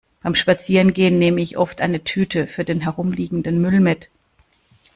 Beim Spazierengehen nehme ich oft eine Tüte für den herumliegenden Müll mit.